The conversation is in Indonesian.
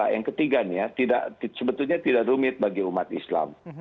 yang ketiga sebetulnya tidak rumit bagi umat islam